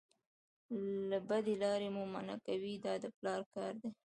له بدې لارې مو منع کوي دا د پلار کار دی.